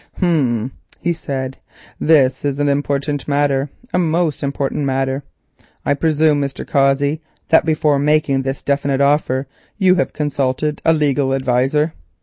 "Hum," he said, "this is an important matter, a most important matter. I presume, Mr. Cossey, that before making this definite offer you have consulted a legal adviser."